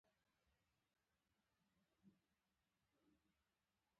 ځینې محصلین د خپلو لیکچرونو یادښتونه جوړوي.